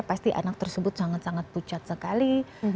pasti anak tersebut sangat sangat pucat sekali